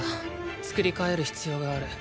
作り替える必要がある。